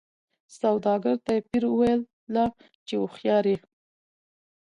سوداګر ته پیر ویله چي هوښیار یې